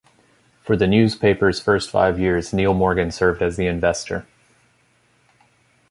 For the newspaper's first five years, Niel Morgan served as the investor.